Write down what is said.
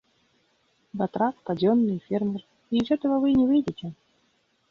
Батрак, поденный, фермер — и из этого вы не выйдете.